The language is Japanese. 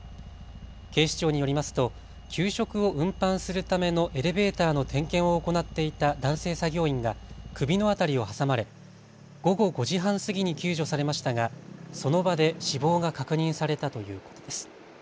警視庁によりますと給食を運搬するためのエレベーターの点検を行っていた男性作業員が首の辺りを挟まれ午後５時半過ぎに救助されましたがその場で死亡が確認されたということです。